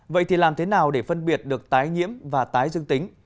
vậy thì làm thế nào để phân biệt được tái nhiễm và tái dương tính